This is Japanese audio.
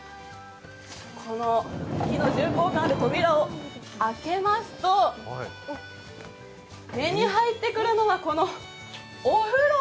この木の重厚感ある扉を開けますと目に入ってくるのは、この風呂。